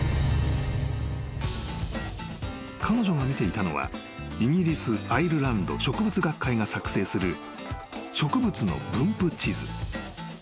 ［彼女が見ていたのはイギリス・アイルランド植物学会が作製する植物の分布地図］